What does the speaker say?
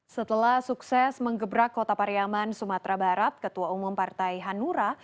setelah sukses mengebrak kota pariaman sumatera barat ketua umum partai hanura